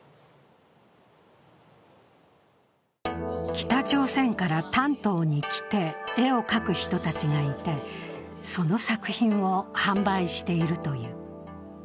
北朝鮮から丹東に来て絵を描く人たちがいて、その作品を販売しているという。